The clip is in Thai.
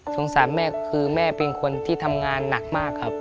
สามแม่คือแม่เป็นคนที่ทำงานหนักมากครับ